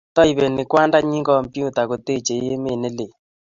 Taipani kwandanyi kompyuta kotechei emet ne lel